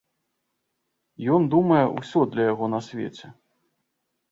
Ён думае, усё для яго на свеце.